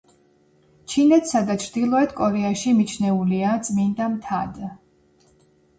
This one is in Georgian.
ჩინეთსა და ჩრდილოეთ კორეაში მიჩნეულია წმინდა მთად.